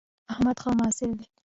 احمد ښه محصل دی